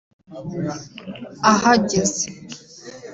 Ahageze